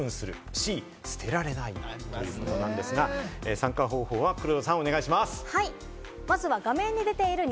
参加方法は黒田さん、お願いします。